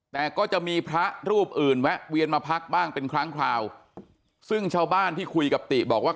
แต่ก็จะมีพระรูปอื่นแวะเวียนมาพักบ้างเป็นครั้งคราวซึ่งชาวบ้านที่คุยกับติบอกว่า